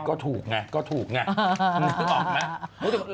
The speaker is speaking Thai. ก็ถูกไงก็ถูกไง